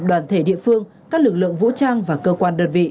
đoàn thể địa phương các lực lượng vũ trang và cơ quan đơn vị